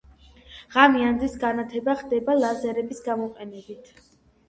ღამე ანძის განათება ხდება ლაზერების გამოყენებით.